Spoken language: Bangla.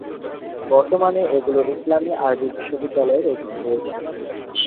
বর্তমানে এগুলো ইসলামি আরবি বিশ্ববিদ্যালয়ের অধীনে রয়েছে।